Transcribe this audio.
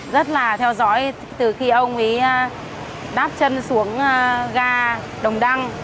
rất là theo dõi từ khi ông ấy đáp chân xuống ga đồng đăng